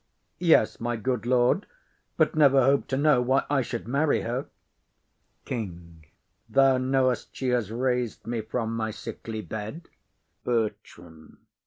Yes, my good lord, But never hope to know why I should marry her. KING. Thou know'st she has rais'd me from my sickly bed. BERTRAM.